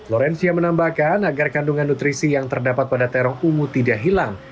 lorencia menambahkan agar kandungan nutrisi yang terdapat pada terong ungu tidak hilang